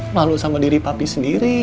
malu sama diri papi sendiri